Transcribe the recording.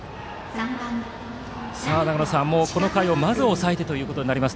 長野さん、この回をまず抑えてとなります